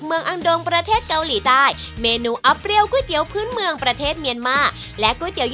เพราะก๋วยเตี๋ยวมันให้เราตั้งตัว